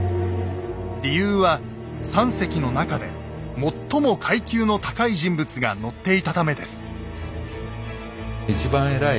理由は３隻の中で最も階級の高い人物が乗っていたためです。